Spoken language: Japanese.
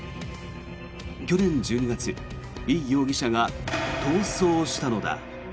去年１２月イ容疑者が逃走したのだ。